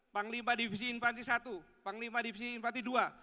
panglima divisi infansi i panglima divisi infansi ii